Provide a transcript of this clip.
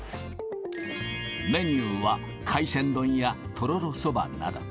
メニューは海鮮丼やとろろそばなど。